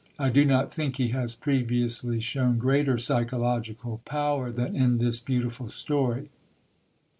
I do not think he has previously shown greater psychological power than in this beautiful story.